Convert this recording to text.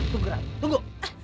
tunggu ratih tunggu